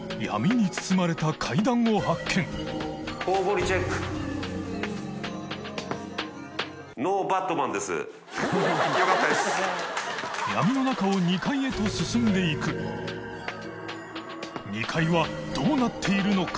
祕任涼罎２階へと進んでいく磽桶どうなっているのか？